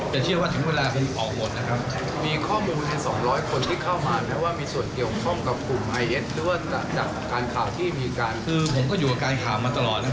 แต่เหมือนกันก็มีการมองกันว่าบ้านเราเนี่ยอาจจะมีเป็นช่องที่เขาต้องเป็นเป้าหมายใหม่